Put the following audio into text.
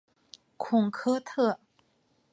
孔科特。